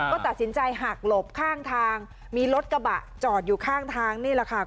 ก็ตัดสินใจหักหลบข้างทางมีรถกระบะจอดอยู่ข้างทางนี่แหละค่ะ